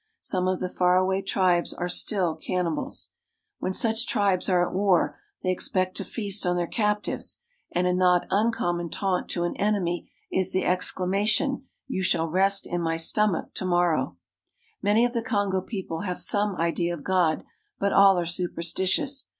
Some of the far away tribes are still cannibals. When such tribes are at war, they expect to feast on their captives, and a not uncommon taunt to an enemy is the exclamation, " You shall rest in my stomach to morrow." Many of the Kongo people have some idea of God, but all are superstitious.